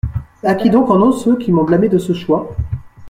À qui donc en ont ceux qui m’ont blâmé de ce choix ?